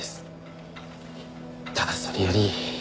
ただそれより。